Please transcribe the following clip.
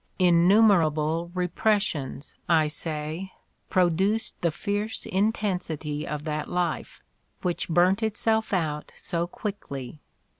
Innumerable repressions,' I say, produced the fierce intensity of that life, which burnt itself out so quickly.